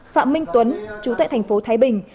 phạm minh tuấn chú tệ thành phố thái bình